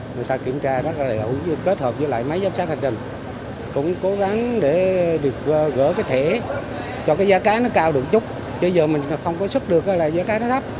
người ta kiểm tra kết hợp với máy giám sát hành trình cũng cố gắng để gỡ cái thẻ cho cái giá cá nó cao được chút chứ giờ mình không có sức được là giá cá nó thấp